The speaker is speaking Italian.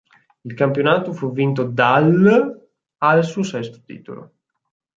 Il campionato fu vinto dall', al suo sesto titolo.